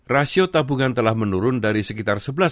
rasio tabungan telah menurun dari sekitar